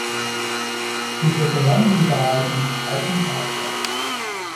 Dieser gewann die Wahl im zweiten Wahlgang.